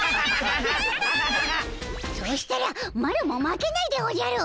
そしたらマロも負けないでおじゃる！